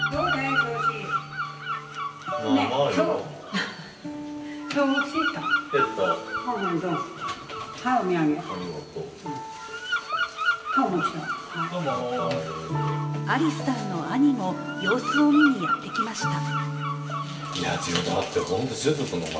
ありすさんの兄も、様子を見にやってきました。